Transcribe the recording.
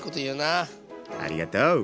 ありがとう！